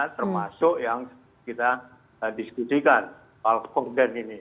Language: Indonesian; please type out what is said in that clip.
termasuk yang kita diskusikan